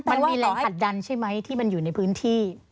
มันมีแรงผลักดันใช่ไหมที่มันอยู่ในพื้นที่